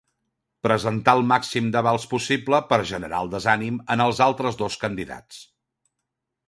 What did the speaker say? Presentar el màxim d'avals possible per general desànim en els altres dos candidats.